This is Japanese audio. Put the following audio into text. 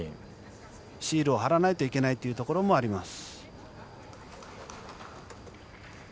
シールを貼らないといけないというところもあります。